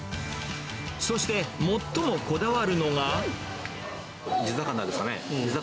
そして最もこだわるのが。